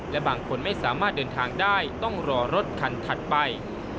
และบางคนไม่สามารถเดินทางได้ต้องรอรถคันถัดไป